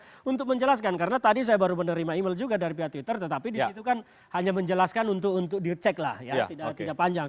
nah untuk menjelaskan karena tadi saya baru menerima email juga dari pihak twitter tetapi disitu kan hanya menjelaskan untuk dicek lah ya tidak panjang